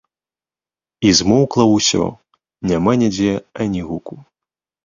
І змоўкла ўсё, няма нідзе ані гуку.